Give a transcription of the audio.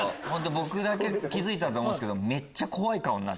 僕だけ気付いたと思うんですけど。